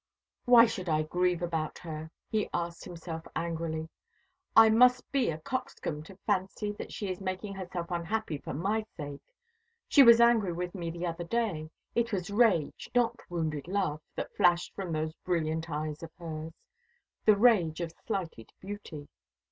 "Why should I grieve about her?" he asked himself angrily. "I must be a coxcomb to fancy that she is making herself unhappy for my sake. She was angry with me the other day. It was rage, not wounded love, that flashed from those brilliant eyes of hers; the rage of slighted beauty.